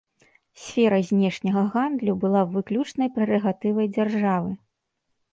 Сфера знешняга гандлю была выключнай прэрагатывай дзяржавы.